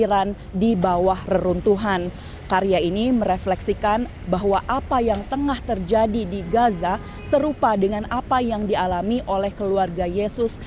kami berpengaruh melihat anak anak di gaza serupa dengan apa yang dialami oleh keluarga yesus